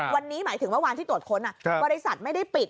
วันนี้หมายถึงเมื่อวานที่ตรวจค้นบริษัทไม่ได้ปิด